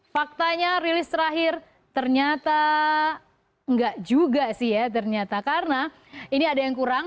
faktanya rilis terakhir ternyata enggak juga sih ya ternyata karena ini ada yang kurang